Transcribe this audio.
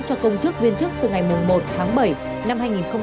cho công chức viên chức từ ngày một tháng bảy năm hai nghìn hai mươi